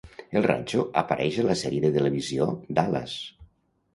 El ranxo apareix a la sèrie de televisió "Dallas".